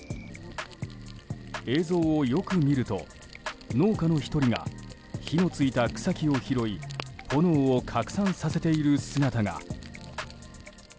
映像をよく見ると農家の１人が火のついた草木を拾い炎を拡散させている姿が。